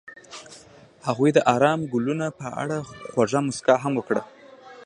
هغې د آرام ګلونه په اړه خوږه موسکا هم وکړه.